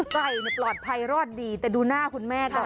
ไก่ปลอดภัยรอดดีแต่ดูหน้าคุณแม่ก่อน